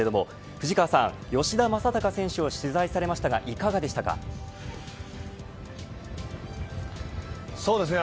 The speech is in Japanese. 藤川さん、吉田正尚選手を取材されましたがそうですね